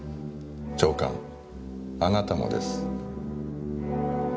長官あなたもです。